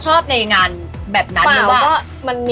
ติดตั้งกระตูหน้าตะเขียนแบบ